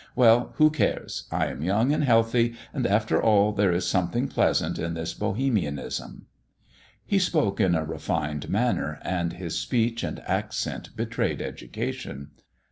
Well, who cares 1 I am young and healthy, and after all there is something pleasant in this Bohemianism." He spoke in a refined manner, and his speech and accent betrayed education.